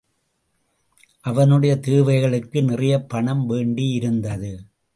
அவனுடைய தேவைகளுக்கு நிறையப் பணம் வேண்டியிருந்தது.